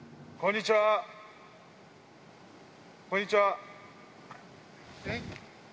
こんにちは。え？